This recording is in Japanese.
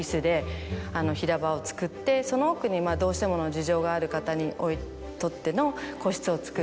作ってその奥にまぁどうしてもの事情がある方にとっての個室を作って。